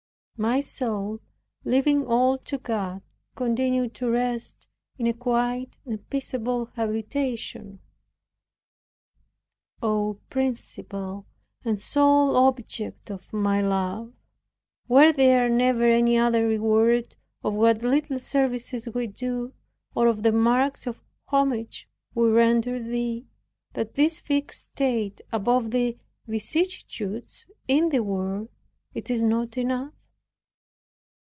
My soul, leaving all to God, continued to rest in a quiet and peaceable habitation. Oh, Principal and sole object of my love! Were there never any other reward of what little services we do, or of the marks of homage we render Thee, than this fixed state above the vicissitudes in the world, is it not enough?